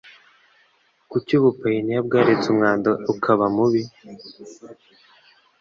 Kuki Ubuyapani bwaretse umwanda ukaba mubi?